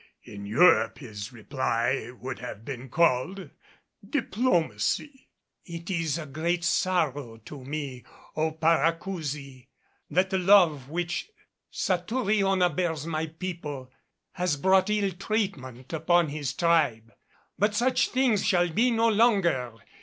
In Europe his reply would have been called diplomacy. "It is a great sorrow to me, O, Paracousi! that the love which Satouriona bears my people has brought ill treatment upon his tribe. But such things shall be no longer.